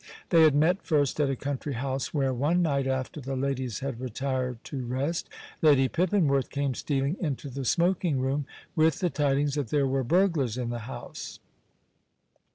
They had met first at a country house, where, one night after the ladies had retired to rest, Lady Pippinworth came stealing into the smoking room with the tidings that there were burglars in the house.